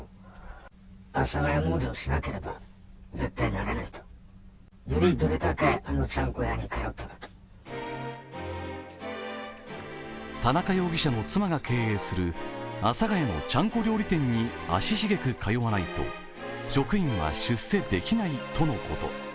ある日大関係者は田中容疑者の妻が経営する阿佐ヶ谷のちゃんこ料理店に足しげく通わないと職員は出世できないとのこと。